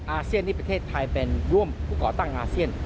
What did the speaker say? อาเซียนนี่ประเทศไทยเป็นร่วมผู้ก่อตั้งอาเซียน